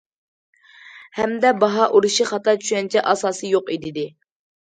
ھەمدە« باھا ئۇرۇشى خاتا چۈشەنچە»،« ئاساسى يوق» دېدى.